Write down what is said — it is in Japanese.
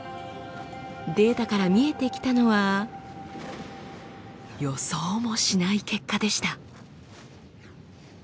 データから見えてきたのは予想もしない結果でした。